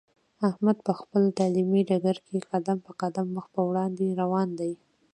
احمد په خپل تعلیمي ډګر کې قدم په قدم مخ په وړاندې روان دی.